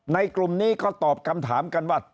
กลุ่มนี้ก็ตอบคำถามกันว่า